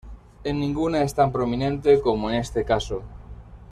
En ninguna es tan prominente como en este caso.